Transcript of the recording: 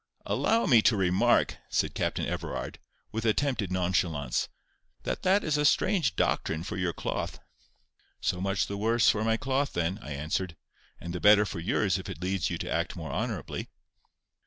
"Allow me to remark," said Captain Everard, with attempted nonchalance, "that that is strange doctrine for your cloth." "So much the worse for my cloth, then," I answered, "and the better for yours if it leads you to act more honourably."